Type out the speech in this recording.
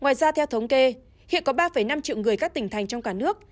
ngoài ra theo thống kê hiện có ba năm triệu người các tỉnh thành trong cả nước